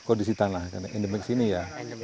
kondisi tanah endemiks ini ya